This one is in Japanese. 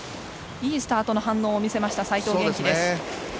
いいスタートの反応を見せました齋藤元希。